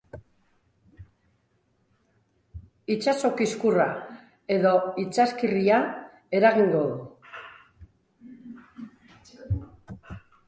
Itsaso kizkurra edo itsaskirria eragingo du.